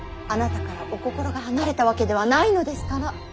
あなたからお心が離れたわけではないのですから。